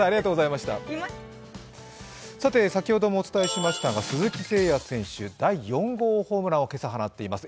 先ほどもお伝えしましたが、鈴木誠也選手、第４号ホームランを今朝放っています。